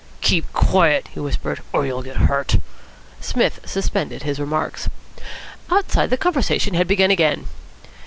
"Keep quiet," he whispered, "or you'll get hurt." Psmith suspended his remarks. Outside, the conversation had begun again.